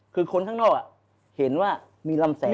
คือคนข้างนอกเห็นว่ามีลำแสง